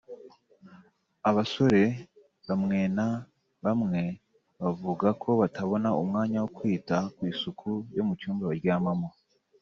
Abasore bamwena bamwe bavuga ko batabona umwanya wo kwita ku isuku yo mu cyumba baryamamo